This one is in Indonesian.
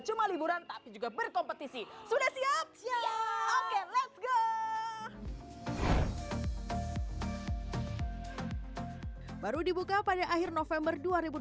cuma liburan tapi juga berkompetisi sudah siap ya oke let's go baru dibuka pada akhir november